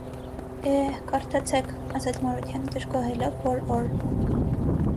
- Է՜էհ,- կարդացեք,- ասաց Մարությանը, դժգոհելով, որ օր.